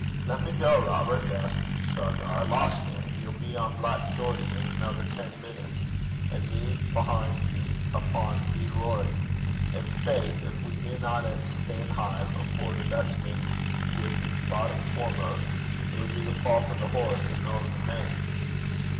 'Lat me gang, Robert,' gasped Shargar. 'Losh, man! ye'll be on Black Geordie in anither ten meenits, an' me ahin' ye upo' Reid Rorie. An' faith gin we binna at Stanehive afore the Dutchman wi' 's boddom foremost, it'll be the faut o' the horse and no o' the men.'